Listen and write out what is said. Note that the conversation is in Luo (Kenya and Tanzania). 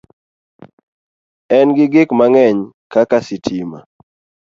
En gi gik mang'eny kaka sitima